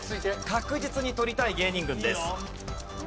確実に取りたい芸人軍です。